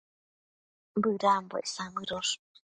Bëdambuec samëdosh